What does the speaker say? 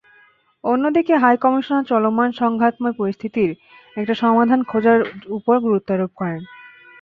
অন্যদিকে হাইকমিশনার চলমান সংঘাতময় পরিস্থিতির একটা সমাধান খোঁজার ওপর গুরুত্বারোপ করেন।